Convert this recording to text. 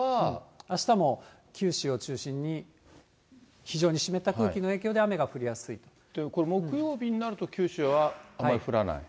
あしたも九州を中心に、非常に湿った空気の影響で、雨が降りこれ、木曜日になると九州はあまり降らない？